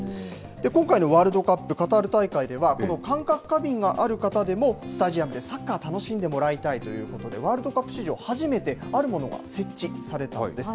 今回のワールドカップカタール大会では、この感覚過敏がある方でも、スタジアムでサッカー、楽しんでもらいたいということで、ワールドカップ史上初めて、あるものが設置されたんです。